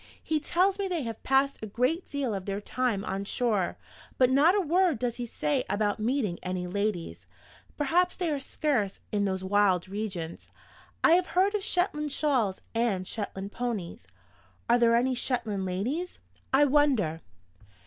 He tells me they have passed a great deal of their time on shore; but not a word does he say about meeting any ladies. Perhaps they are scarce in those wild regions? I have heard of Shetland shawls and Shetland ponies. Are there any Shetland ladies, I wonder?"